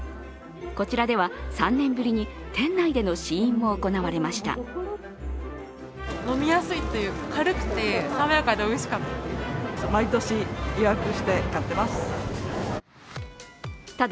こちらでは３年ぶりに店内での試飲も行われました。